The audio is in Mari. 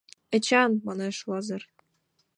— Эчан! — манеш Лазыр.